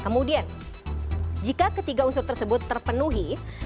kemudian jika ketiga unsur tersebut terpenuhi